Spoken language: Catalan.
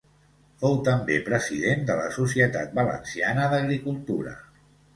Fou també president de la Societat Valenciana d'Agricultura.